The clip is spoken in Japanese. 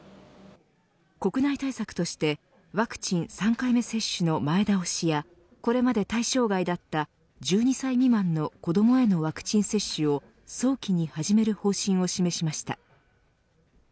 国内対策としてワクチン３回目接種の前倒しやこれまで対象外だった１２歳未満の子どもへのワクチン接種を早期に始める方針を示しました。